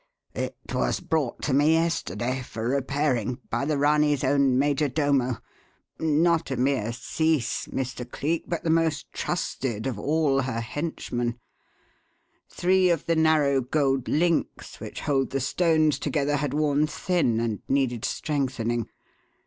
"It was brought to me yesterday for repairing by the Ranee's own major domo. Not a mere cice, Mr. Cleek, but the most trusted of all her henchmen. Three of the narrow gold links which hold the stones together had worn thin and needed strengthening.